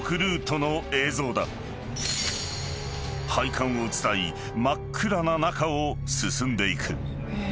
［配管を伝い真っ暗な中を進んでいく］